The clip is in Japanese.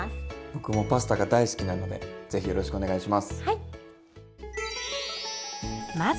僕もパスタが大好きなのでぜひよろしくお願いします。